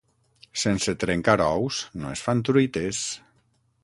Sense trencar ous no es fan truites.